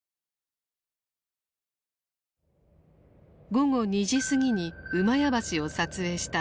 午後２時過ぎに厩橋を撮影した映像。